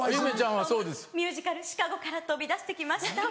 ミュージカル『シカゴ』から飛び出して来ました。